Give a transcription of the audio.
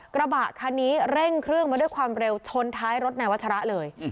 กระบะคันนี้เร่งเครื่องมาด้วยความเร็วชนท้ายรถนายวัชระเลย